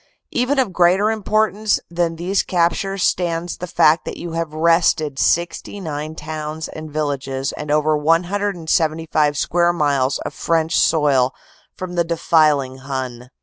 "Even of greater importance than these captures stands the fact that you have wrested 69 towns and villages and over 175 square miles of French soil from the defiling Hun.